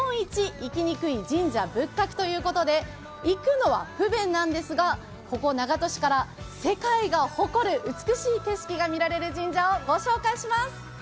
行きにくい神社仏閣」ということで、行くのは不便なんですが、ここ長門市から世界が見える一番美しい神社をご紹介します。